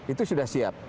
itu sudah siap